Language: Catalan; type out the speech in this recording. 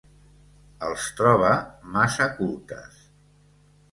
Els troba massa cultes.